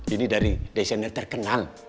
ini dari desainer terkenal